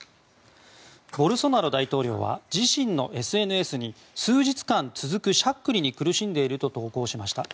ボルソナロ大統領は自身のＳＮＳに数日間続くしゃっくりに苦しんでいると投稿しました。